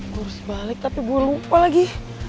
gue harus balik tapi gue lupa lagi